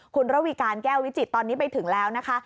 คุณระวีการแก้ววิจิตตอนนี้ไปถึงแล้วนะคะ